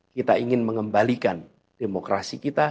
kita ingin mengembalikan demokrasi kita